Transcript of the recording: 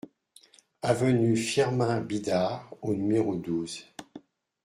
Avenue Firmin Bidard au numéro douze